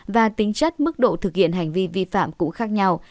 và tính chất mức độ thực hiện hành vi vi phạm cũng khác nhau